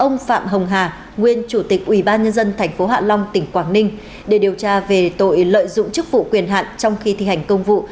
nguyên chủ tịch ủy ban nhân dân tp hạ long tỉnh quảng ninh để điều tra về tội lợi dụng chức vụ quyền hạn trong khi thi hành công vụ